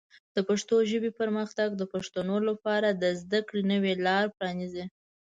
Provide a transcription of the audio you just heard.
د پښتو ژبې پرمختګ د پښتنو لپاره د زده کړې نوې لارې پرانیزي.